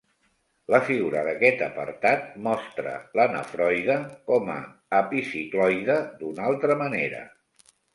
La figura d'aquest apartat mostra la nefroide com a epicicloide d'una altra manera.